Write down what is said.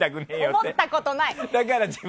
思ったことない！